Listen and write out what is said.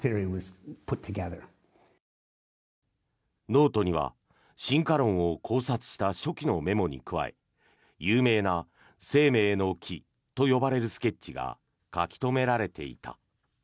ノートには進化論を考察した初期のメモに加え有名な「生命の樹」と呼ばれるスケッチが描き留められていた。